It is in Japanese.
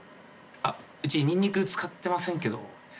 あっうちニンニク使ってませんけど。